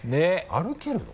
歩けるの？